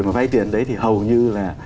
mà vay tiền đấy thì hầu như là